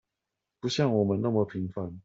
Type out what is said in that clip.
不像我們那麼平凡